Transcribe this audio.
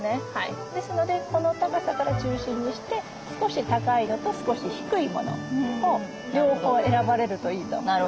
ですのでこの高さから中心にして少し高いのと少し低いものを両方選ばれるといいと思います。